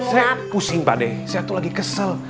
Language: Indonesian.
saya pusing pak deh saya tuh lagi kesel